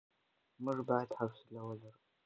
موږ بايد حوصله ولرو.